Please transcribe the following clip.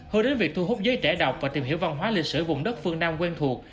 hơn đến việc thu hút giới trẻ đọc và tìm hiểu văn hóa lịch sử vùng đất phương nam quen thuộc